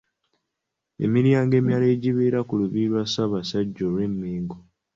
Emiryango emirala egibeera ku lubiri lwa Ssaabasajja olw'e Mengo.